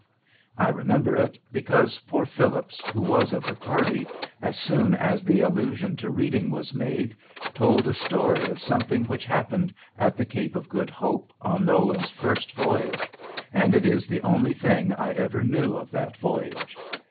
I remember it, because poor Phillips, who was of the party, as soon as the allusion to reading was made, told a story of something which happened at the Cape of Good Hope on Nolan's first voyage; and it is the only thing I ever knew of that voyage.